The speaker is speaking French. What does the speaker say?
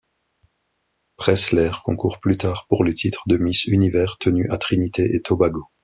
Pressler concourt plus tard pour le titre de Miss Univers tenue à Trinité-et-Tobago.